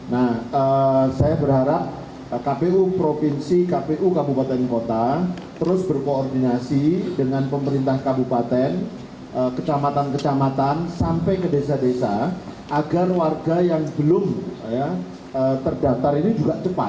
nah saya berharap kpu provinsi kpu kabupaten kota terus berkoordinasi dengan pemerintah kabupaten kecamatan kecamatan sampai ke desa desa agar warga yang belum terdaftar ini juga cepat